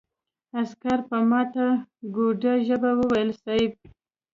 عسکر په ماته ګوډه ژبه وويل: صېب!